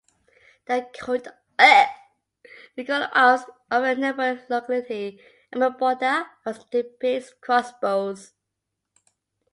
The coat of arms of the neighbouring locality Emmaboda also depicts crossbows.